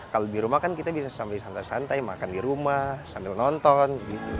kalau di rumah kan kita bisa sambil santai santai makan di rumah sambil nonton